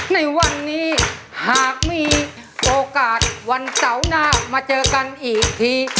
ในวันนี้หากมีโอกาสวันเสาร์หน้ามาเจอกันอีกที